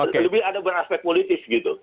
lebih ada beraspek politis gitu